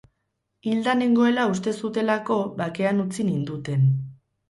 Hilda nengoela uste zutelako bakean utzi ninduten.